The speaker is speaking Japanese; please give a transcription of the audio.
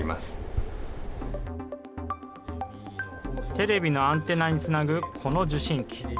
テレビのアンテナにつなぐこの受信機。